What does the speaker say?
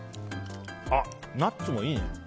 ナッツもいいね。